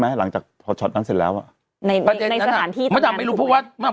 มั้ยหลังจากนั้นเสร็จแล้วในพอแต่ไม่รู้เพราะว่า